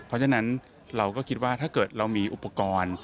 เพราะฉะนั้นเราก็คิดว่าถ้าเกิดเรามีอุปกรณ์